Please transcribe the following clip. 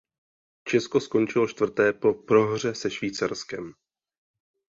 Česko skončilo čtvrté po prohře se Švýcarskem.